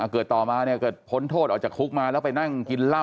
เกิดต่อมาเนี่ยเกิดพ้นโทษออกจากคุกมาแล้วไปนั่งกินเหล้า